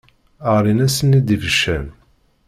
Ɣlin-asen-id ibeccan.